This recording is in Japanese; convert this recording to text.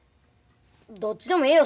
どっちでもええよ